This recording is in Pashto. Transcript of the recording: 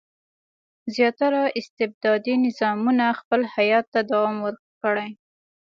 زیاتره استبدادي نظامونه خپل حیات ته دوام ورکړي.